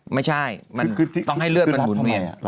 ไม่ใช่มันต้องให้เลือดมันบุนเวียน